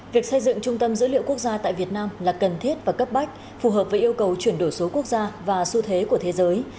việc xây dựng trung tâm dữ liệu quốc gia tại việt nam là cần thiết và cấp bách phù hợp với yêu cầu chuyển đổi số quốc gia và xu thế của thế giới